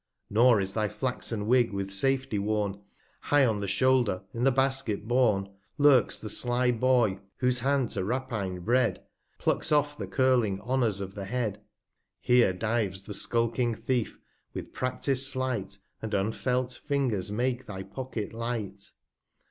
Nor is thy Flaxen Wigg with Safety worn; 55 High on the Shoulder, in the Basket born, Lurks the sly Boy ; whose Hand to Rapine bred, Plucks off the curling Honours of the Head. Here dives the skulking Thief, with pra&is'd Slight, And unfelt Fingers make thy Pocket light.